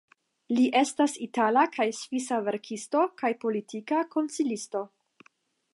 Li estas itala kaj svisa verkisto kaj politika konsilisto.